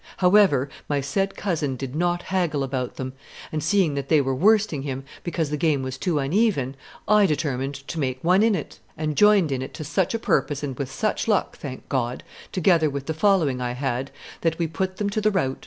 However, my said cousin did not haggle about them; and, seeing that they were worsting him, because the game was too uneven, I determined to make one in it, and joined in it to such a purpose and with such luck, thank God, together with the following I had, that we put them to the rout.